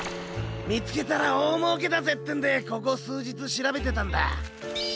みつけたらおおもうけだぜってんでここすうじつしらべてたんだ。